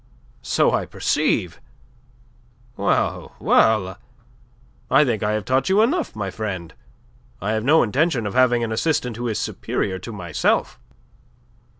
"So I perceive. Well, well, I think I have taught you enough, my friend. I have no intention of having an assistant who is superior to myself."